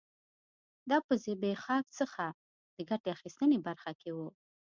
دا په زبېښاک څخه د ګټې اخیستنې برخه کې و